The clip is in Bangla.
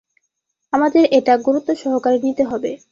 আমাদের এটা গুরুত্বসহকারে নিতে হবে।